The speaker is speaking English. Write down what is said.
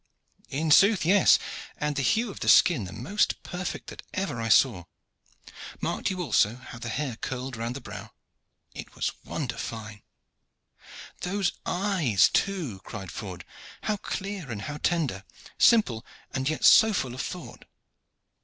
"In sooth, yes. And the hue of the skin the most perfect that ever I saw. Marked you also how the hair curled round the brow? It was wonder fine." "Those eyes, too!" cried Ford. "How clear and how tender simple, and yet so full of thought!"